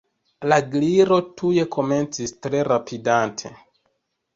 La Gliro tuj komencis, tre rapidante.